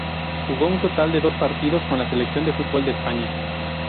Jugó un total de dos partidos con la selección de fútbol de España.